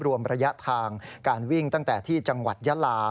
รวมระยะทางการวิ่งตั้งแต่ที่จังหวัดยาลา